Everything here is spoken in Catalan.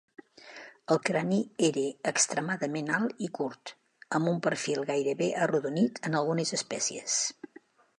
El crani era extremadament alt i curt, amb un perfil gairebé arrodonit en algunes espècies.